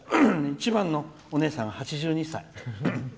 一番のお姉さんは８２歳。